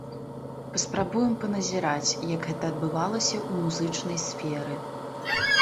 Паспрабуем паназіраць, як гэта адбывалася ў музычнай сферы.